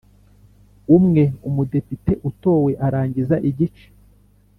Umwe umudepite utowe arangiza igice